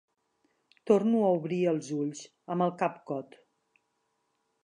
Torno a obrir els ulls, amb el cap cot.